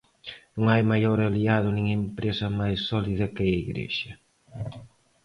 Non hai maior aliado nin empresa máis sólida que a Igrexa.